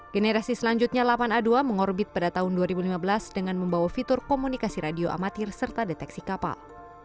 generasi selanjutnya delapan a dua mengorbit pada tahun dua ribu lima belas dengan membawa fitur komunikasi radio amatir serta deteksi kapal